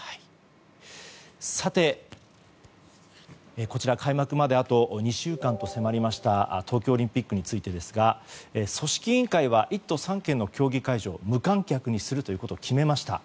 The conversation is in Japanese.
さて、こちら開幕まで２週間に迫った東京オリンピックについてですが組織委員会は１都３県の競技会場を無観客にするということを決めました。